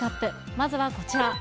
まずはこちら。